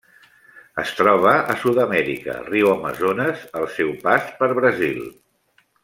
Es troba a Sud-amèrica: riu Amazones al seu pas per Brasil.